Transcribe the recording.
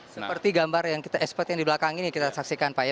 seperti gambar yang kita expert yang di belakang ini kita saksikan pak ya